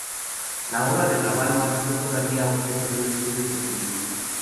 La obra de Raval no ha sido todavía objeto de un estudio profundo.